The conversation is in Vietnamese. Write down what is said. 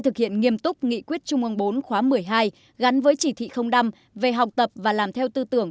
thực hiện nghiêm túc nghị quyết trung ương bốn khóa một mươi hai gắn với chỉ thị năm về học tập và làm theo tư tưởng